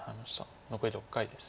残り６回です。